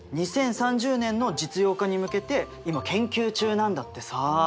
２０３０年の実用化に向けて今研究中なんだってさ。